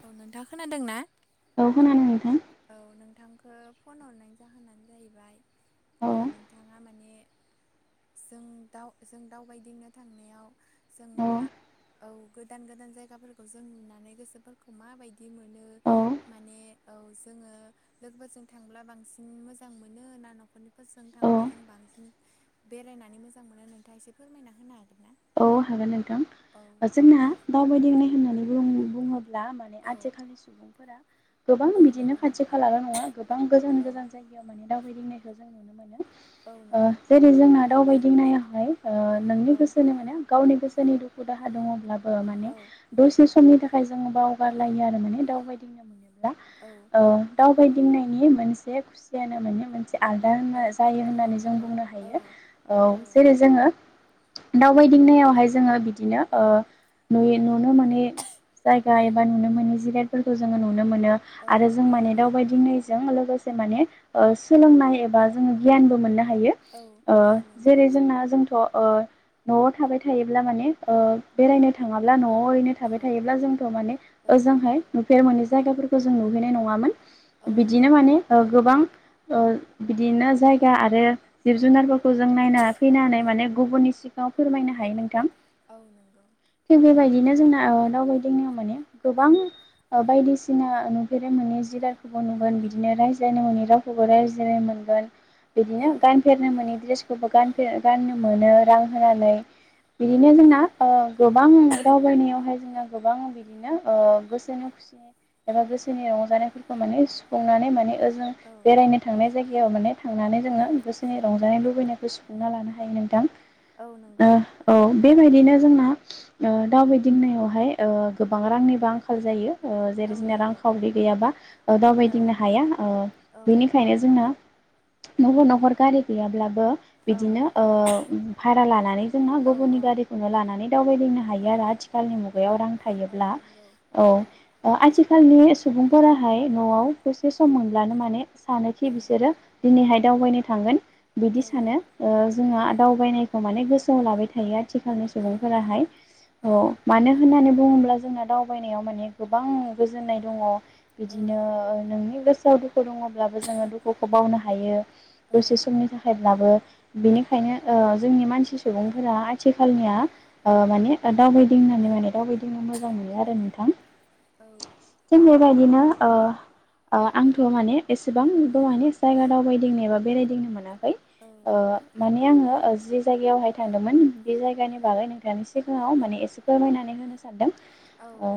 औ, नोंथाङा खोनादों ना? औ खोनादों नोंथां। औ, नोंथांखौ फन हरनायनि जाहोनानो जाहैबाय। औ, नोंथाङा माने। जों दाउ जों दाउबायदिंनो थांनायाव जों औ मा। औ, गोदान गोदान जायगाफोरखौ जों नुनानै गोसोफोरखौ माबाय दि, मोनो औ माने औ जोङो। लोगोफोरजों थांब्ला बांसिन मोजां मोनो ना? न'खरनिफोरजों औ थांब्ला जों बांसिन। बेरायनानै मोजां मोनो, नोंथाङा एसे फोरमायना होनो हागोन ना? औ, हागोन नोंथां औ जोंना दावबायदिंनाय होननानै बुङो। ला माने औ आथिखालनि सुबुं। गोबां औ बिदिनो नंगौ खाथि नोंथां खालाल' नङा, गोबां गोजान औ गोजान जायगा। माने दावबायदिंनायखौ जों नुनो मोनो। औ ओ, नंगौ जेरै जोंना दावबायदिंनायावहाय, ओ नोंनि औ गोसो। खुसि मोनो, गावनि गोसोनि दुखु दाहा दङब्लाबो माने। औ दसे समनि थाखाय, जोंङो बावगारलायो आरो माने दावबायदिंनो मोनोब्ला। औ। ओ, दावबायदिंनायनि मोनसे खुसियानो मोने मोनसे। आलदा औ होनना जायो औ होननानै जों नंगौ बुंनो औ हायो। औ जेरै जोङो। दावबायदिंनायावहाय जोङो बिदिनो ओ नुयो नुनो मोनो। जायगा औ एबा नुनो मोनि जिरातफोरखौ जोङो नुनो मोनो औ आरो जों औ माने नंगौ दावबायदिंनाय। जों लोगोसे माने सोलोंनाय एबा जोङो गियानबो मोननो हायो। औ ओ औ नंगौ जेरै जोंना जोंथ' ओ न'आव थाबाय थायोब्ला माने ओ बेरायनो थाङाब्ला न'आव ओरैनो औ थाबाय थायोब्ला जोंथ' माने। औ ओजोंहाय, नुफेर मोनै जायगाफोरखौ जों नुहैनाय नङामोन औ बिदिनो माने। ओ गोबां ओ बिदिनो जायगा आरो जिब जुनारफोरखौ जों नायना। फैनानै औ माने गुबुननि सिगांडांव फोरमायनो हायो नोंथां। औ नंगौ। थिग बेबायदिनो जोंना दावबायदिंनायाव माने गोबां ओ बायदिसि ना नुफेरनाय मोनै जिरारखौबो नुगोन बिदिनो, रायज्लायनो मोनै रावखौबो रायज्लायनो मोनगोन। औ बिदिनो, गानफेरनो मोननि दड्रेसखौबो गान गाननो मोनो रां होनानै। औ बिदिनो जोंना। ओ, गोबां दावबायनायावहाय जोंना गोबां बिदिनो ओ गोसोनि खुसि एबा गोसोनि रंजानायफोरखौ माने सुफुंनानै माने। औ बेरायनो थांनाय जायगायाव माने, थांनानै जोङो गोसो। दि, रंजानाय लुबैनायखौ सुफुंना लानो हायो नोंथां औ ओ। नंगौ औ, बेबायदिनो जोंना ओ दावबायदिंनायावहाय' ओ गोबां रांनिबो आंखाल जायो। ओ जेरै औ जोंना नंगौ रांखावरि गैयाबा औ दावबायदिंनो हाया ओ औ बेनिखायनो। जोंना न'खर न'खर गारि गैयाब्लाबो औ बिदिनो ओ उम भारा लानानै जोंना औ गुबुननि गारिखौनो लानानै दावबायदिंनो औ हायो आरो आथिखालनि मुगायाव रां औ थायोब्ला। नंगौ औ औ। अ आथिखालनि सुबुंफोराहाय न'आव दसे सम मोनब्लानो माने सानोखि बिसोरो दिनैहाय दावबायनो थांगोन बिदि सानो ओ जोंहा दावबायनाय खौ माने गोसोआव लाबाय थायो आरो। आथिखालनि औ सुबुंफोराहाय अ औ मानो होननानै बुंङोब्ला जोंना दाव। मोनायाव माने गोबां गोजोननाय दंङ बिदिनो नोंनि गोसोआव दुखु दंङब्लाबो। जोंङो दुखुखौ बावनो हायो औ दसे समनि थाखायब्लाबो बेनिखायनो ओ जोंनि मानसि सुबुंफोरा आथिखालनिया ओ माने ओ दावबायदिंनानै माने दावबायदिंनो मोजां मोनो आरो नोंथां। जों बेबायदिनो ओ ओ आंथ' माने एसेबांबो माने जायगा दावबायदिंनो एबा बेरायदिंनो मोनाखै। ओ औ माने आंङो ओ जे जायगायावहाय थांदोंमोन बे जायगानि बागै नोंथांनि सिगांङाव माने एसे फोरमायनानै होनो सानदों। ओ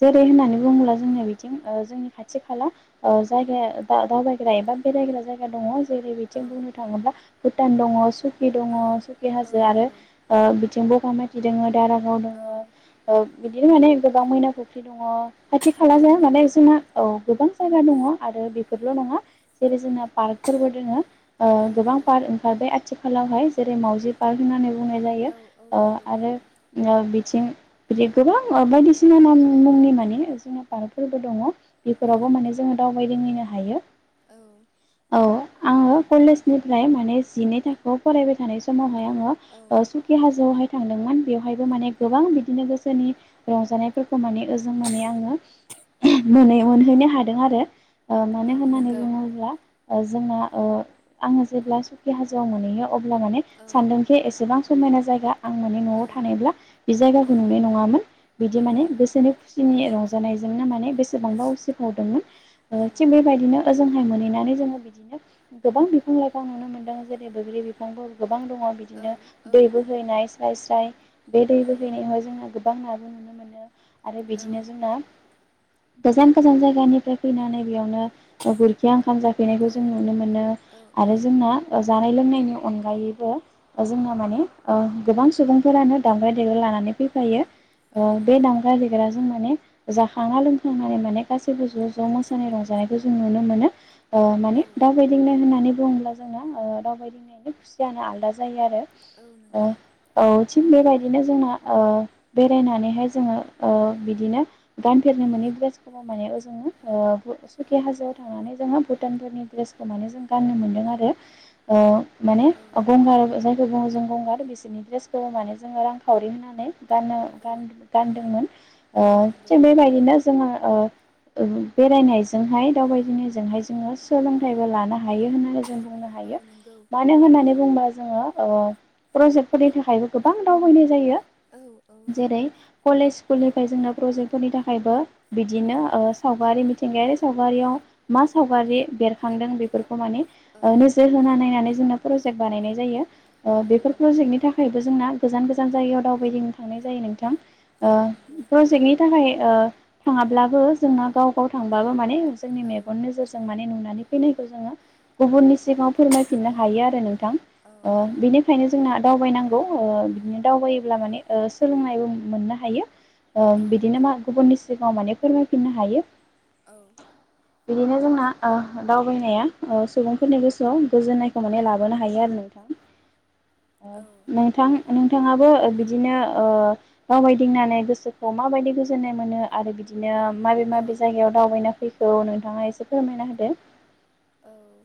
जेरै होननानै बुंङोब्ला जोंनिया बिथिं ओ जोंनि खाथि खाला ओ जायगा दा-दावबायग्रा एबा बेरायग्रा जायगा दंङ। जेरै बिथिं बुंनो थांङोब्ला भुटान दंङ सुकि दंङ औ सुकि हाजो आरो नंगौ ओ बिथिंबो बगामाथि दोंङो दारागाव औ दोंङो ओ बिदिनो माने गोबां मैना फुख्रि दंङ। खाथि खाला औ जा माने नंगौ जोंना औ गोबांजायगा दंङ आरो बेफोरल' नंङा। जेरै जोंना पार्कफोरबो दोंङो ओ औ गोबां नंगौ पार्क ओ ओ बे आथिखालावहाय जेरै मावजि पार्क होननानै बुंनाय जायो औ औ ओ नंगौ आरो नंगौ नो बिथिं बि गोबां बायदिसिना नाम मुंनि माने जोंहा पार्कफोरबो दंङ। औ बेफोरावबो माने जोंङो दावबायदिंहैनो हायो। औ। औ आंङो कलेजनिफ्राय माने जिनै थाखोआव फरायबाय थानाय समावहाय आंङो। औ [unintelligible] बे हाजोआवहाय थांदोंमोन बेवहायबो माने गोबां बिदिनो गोसोनि रंजानायफोरखौ माने ओ जों माने आंङो उमह मोनायाव मोनहैनो हादों आरो। ओ मानो औ होननानै नंगौ बुंङोब्ला ओ जोंना ओ आंङो जेब्ला सुखि हाजोआव मोनहैयो। अब्ला माने औ सानदों जे एसेबां समायना जायगा। आं माने औ न'आव थानायब्ला बे औ जायगाखौ नुनाय नंङामोन बिदि औ माने नंगौ गोसोनि खुसिनि रंजानायजोंनो माने बेसेबांबा उसिफावदोंमोन। ओ औ थिग बेबायदिनो ओजोंहाय मोनहैनानै जोंङो बिदिनो गोबां बिफां लाइफां नुनो मोनदों जे बेे बैग्रि बिफांफोर गोबां दंङ। औ बिदिनो औ दै नंगौ बोहैनाय स्राय स्राय बे दै औ बोहैनायावहाय जोंङो गोबां नाबो नुनो मोनो। आरो औ बिदिनो जोंना गोजान गोजान जायगानिफ्राय फैनानै बेयावनो गुरखिया ओंखाम जाफैनायखौ औ जों नुनो मोनो औ आरो जोंना। जानाय लोंनायनि अनगायैबो। ओ जोंना माने ओ गोबां सुबुंफोरानो दामग्रा देग्रा लानानै फैफायो। औ ओ बे नंगौ दामग्रा देग्रा जों माने जाखांना लोंखांनानै माने गासैबो ज' ज' मोसानाय रंजानायखौ जों नुनो मोनो ओ माने औ दावबायदिंनाय होननानै बुंङोब्ला। जोंना ओ दावबायदिंनायनि खुसिआनो आलदा जायो आरो। औ ओ नंगौ औ थिग बेबायदिनो जोंहा ओ बेरायनानैहाय जोङो ओ बिदिनो गानफेरनो मोनै द्रेसखौबो माने ओजों ओ सुकि हाजोआव थांनानै जोङो भुटानफोरनि ड्रेसखौ माने जों गाननो मोनदों आरो। ओ माने औ अह गंगार रा [unintelligible] जों गंगार बिसोरनि ड्रेसखौ माने जोङो रांखावरि होनानै गाननो औ गान-गानदोंमोन ओ औ नंगौ थिग बेबायदिनो जोङो ओ ओ बेरायनायजोंहाय दावबायदिंनायजोंहाय जोङो सोलोंथाइबो लानो हायो होननानै जों बुंनो औ हायो नंगौ। मानो होननानै नंगौ बुङोबा जोङो ओ प्रजेक्टफोरनि थाखायबो गोबां दावबायनाय जायो। औ औ जेरै नंगौ कलेज, स्कुलनिफ्राय जोंहा प्रजेक्टफोरनि थाखायबो बिदिनो औ ओ सावगारि मिथिंगायारि सावगारियाव मा सावगारि बेरखांदों बेफोरखौ माने औ ओ नो जोर होना नायनानै जोंना प्रजेक्ट बानायनाय जायो ओ औ बेफोर नंगौ प्रजेक्टनि थाखा खायबो जोंना गोजान गोजान जायगायाव दावबायदिंनो थांनाय जायो नोंथां। ओ औ नंगौ प्रजेक्टनि थाखाय ओ थाङाब्लाबो जोंना गाव गाव थांबाबो माने जोंनि औ मेगन नोजोरजों माने नुनानै फैनायखौ जोङो गुबुननि सिगाङाव फोर मायफिननो हायो आरो नोंथां। औ ओ बेनि खायनो जोंना दावबायनांगौ ओ बिदिनो दावबायोब्ला माने ओ सोलोंनायबो मोननो हायो। ओ बिदिनो मा गुबुननि सिगाङाव माने फोरमायफिननो हायो। औ बिदिनो जोंना ओ दावबायनाया ओ सुबुंफोरनि गोसोआव गोजोननायखौ माने लाबोनो हायो आरो नोंथां। ओ नों थां नोंथाङाबो ओ बिदिनो ओ दावबायदिंनानै गोसोखौ माबायदि गोजोन्नाय मोनो आरो बि दिनो माबे औ औ माबे जायगायाव दावबायना फैखो नोंथाङा एसे फोरमायना होदो। औ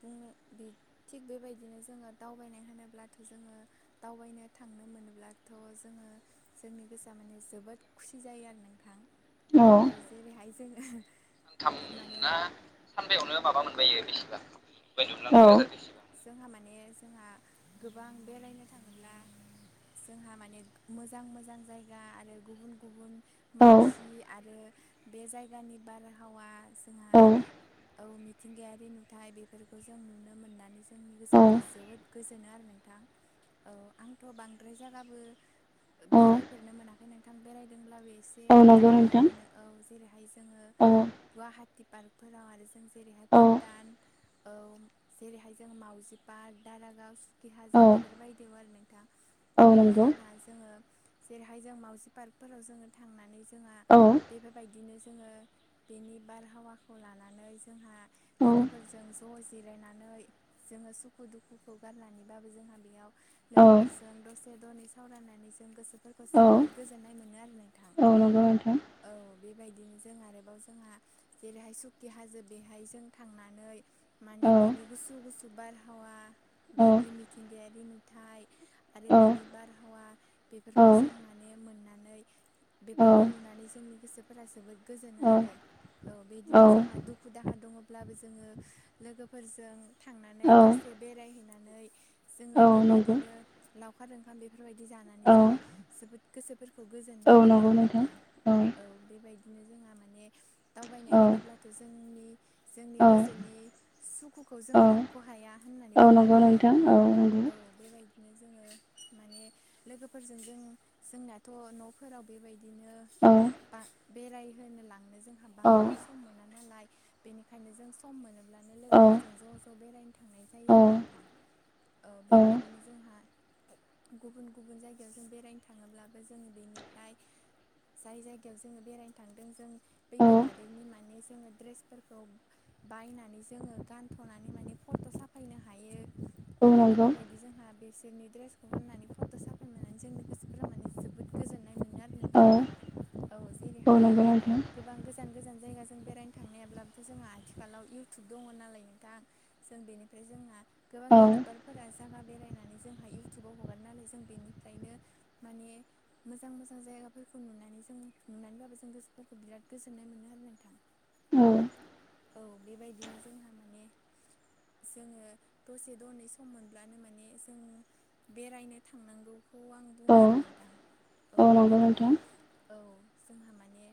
बुंनो बि थिग बेबायदिनो जोङो दावबायनाय होनोब्लाथ' जोङो दावबायनो थांनो मोनोब्लाथ' जोङो जोंनि गोसोआ माने जोबोद खुसि जायो आरो नोंथां। औ जेरैहाय जोङो माने थामना सानबायावनो माबा मोनजायो बेसेबा [unintelligible] जोंहा माने जोंहा गोबां बेरायनो थाङोब्ला जोंहा माने मोजां मोजां जायगा आरो गुबुन गुबुन औ मानसि आरो बे जायगानि बारहावा जोंहा औ औ मिथिंगायारि नुथाय बेफोरखौ जों नुनो मोननानै जोंनि गोसोफोरा औ जोबोद गोजोनो आरो नोंथां। औ आंथ' बांद्राय जायगाबो औ बेरायफेरनो मोनाखै नोंथां बेरायदोंब्लाबो एसे औ बे खाथि नंगौ नोंथां खालानिनो औ जेरैहाय जोङो औ गुवाहाटि पार्कफोराव आरो जों जेरैहाय औ भुटान औ जेरैहाय जों मावजि पार्क, दारागाव सुखि औ हाजो बेफोरबायदियाव आरो नोंथां। औ जोंहा जोङो जेरैहाय जों माउजि पार्कफोराव जोङो थांनानै जोंहा औ बेफोर बायदिनो जोङो बेनि बारहावाखौ लानानै जोंहा औ लोगोफोरजों ज' जिरायनानै जोङो सुखु दुखुखौ गारनानैबाबो जोंहा बेयाव औ लोगोफोरजो जों दसे दनै सावरायनानै जों गोसोफोरखौ औ जोबोद गोजोन्नाय मोनोआरो नोंथां। औ नंगौ नोंथां औ बेबायदिनो जों आरोबाव जोंहा जेरैहाय सुखि हाजो बेहाय जों थांनानै मान औ बेनि गुसु गुसु बारहावा औ बेनि मिथिंगायारि नुथाय आरो औ बेनि बारहावा औ बेफोरखौ जों माने मोननानै औ बेफोरखौ नुनानै जोंनि गोसोफोरा जोबोद गोजोनो औ आरो औ बेदिनो जोंहा दुख खु दाहा दङब्लाबो जोङो लोगोफोरजों थांनानै दसे बेरायहैनानै जोङो औ नंगौ बेबायदिनो लावखार ओंखाम बेफोरबायदि जाना नै औ जोंहा जोबोद गोसोफोरखौ गोजोननाय मोनो आरो नोंथां। औ बेबायदि नो जोंहा माने दावबायनाय औ होनोब्लाथ' जोंनि जोंनि औ गोसोनि सुखुखौ जों औ लाख' हाया होननानै औ बुंनो नंगौ हायो नोंथां औ नंगौ औ बेबायदिनो जोङो माने लोगोफोरजों जों-जोंनाथ' न'फोराव बेबायदिनो बां बेरायहोनो लांनो जों हा औ बांद्राय सम मोना नालाय बेनिखायनो जों सम मोनोब्लानो लोगोफोरजों ज' ज' बेरायनो थांनाय जायो औ आरो नोंथां औ बेबायदिनो जोंहा गुबुन गुबुन जायगायाव जों बेरायनो थाङोब्लाबो जों बेनिफ्राय जाय जायगायाव जोङो बेरायनो थांदों जों बैफोर हादोरनि माने जोङो द्रेसफोरखौ बायनानै जोङो गानथ'नानै माने फट' साफायनो हायो औ औ बेफोरबायद दि जोंहा बिसोरनि द्रेसखौ गाननानै फट' साफायनो मोननानै जोंनि गोसोफोरा माने जोबोद गोजोन नाय मोनोआरो नंगौ औ नोंथा औ औ जेरैहाय नंगौ जोंहा नोंथां गोबां गोस गोजान गोजान जायगाजों बेरायनो थांनायाब्लाबो जोंहा आथिखालाव इउ टुब दङ नालाय नोंथां जों बेनिफ्राय जोंहा गोबां इउटुबार फोरा जायगा बेरायनानै जोंहा इउटुबाव हगारो नालाय जों बेनिफ्रायनो माने मोजां मोजां जायगाफोरखौ नुनानै जों नुनानैब्लाबो जों गोसोफोरखौ बिराद गोजोननाय मोनो आरो नोंथां। औ औ औ बेबायदिनो जोंहा माने जोङो दसे दनै सम मोनब्लानो माने जों बेरायनो थांनांगौखौ आं बुङोआरो नोंथां औ बेबायदिनो औ जोंहा माने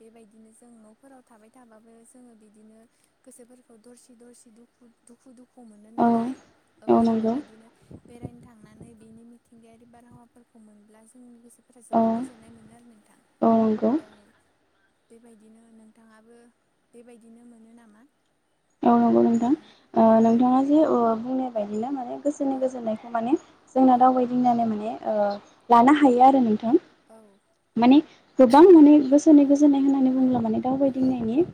बेबायदिनो जों न'फोराव थाबाय थाबाबो जोङो बिदिनो गोसोफोरखौ दरसि दरसि दुखु दुखु दुखु मोनो औ नालाय औ औ जों नंगौ बेबायदिनो बेरायनो थांनानै बिनि मिथिंगायारि बारहावाफोरखौ मोनब्ला जोंनि गोसो फोरा औ जोबोद गोजोन्नाय मोनोआरो नोंथां औ नंगौ औ बेबायदिनो नोंथाङाबो बेबायदिनो मोनो नामा? औ नंगौ नोंथां औ ओ औ नोंथाङा जे ओ बुंनाय बायदिनो माने गोसोनि गोजोननायखौ माने औ जोंना दावबायदिंनानै माने ओ लानो हायो आरो नोंथां औ माने गोबां माने गोसोनि गोजोननाय होननानै बुङोब्ला माने दावबायदिंनायनि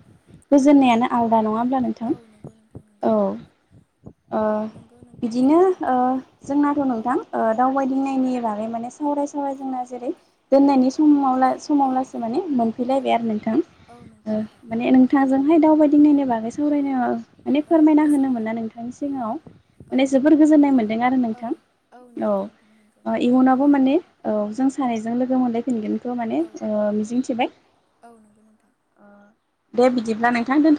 औ गोजोननायानो आलादा नङा होनबा नों हो औ नंगौ नोंथां नंगौ औ ओ औ नंगौ नोंथां बिदिनो जोंना बिदि ओ जोंनाथ' नोंथां ओ दावबायदिंनायनि बागै माने सावराय सावराय जोंना जेरै औ दोननायनि समावला औ समावलासे माने औ मोनफैलायबाय आरो नोंथां औ नंगौ ओ नोंथां माने नंगौ नोंथांजोंहाय दावबायदिंनायनि बागै सा सावरायनो माने औ फोरमायना गोसो होनो मोनना नोंथांनि सिगाङाव औ माने जोबोर गोजोननाय मोनदों आरो औ नोंथां औ नंगौ नोंथां नंगौ औ दे इयुनावबो बिदिब्ला माने नोंथां औ जों सानैजों लोगो मोनलायफिनगोनखौ माने औ ओ मिजिं थिबाय औ नंगौ नोंथां दे बिदिब्ला नोंथां दोनथ लाय